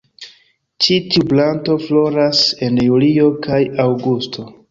Ĉi tiu planto floras en julio kaj aŭgusto.